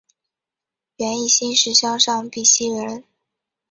袁翼新市乡上碧溪人。